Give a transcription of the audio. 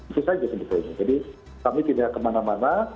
itu saja sebetulnya jadi kami tidak kemana mana